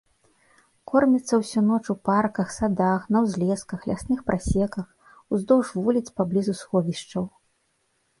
Корміцца ўсю ноч у парках, садах, на ўзлесках, лясных прасеках, уздоўж вуліц паблізу сховішчаў.